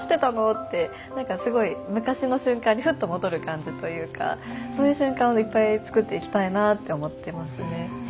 って何かすごい昔の瞬間にふっと戻る感じというかそういう瞬間をいっぱい作っていきたいなって思ってますね。